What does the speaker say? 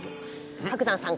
伯山さん